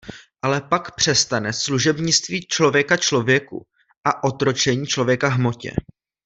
Ale pak přestane služebnictví člověka člověku a otročení člověka hmotě.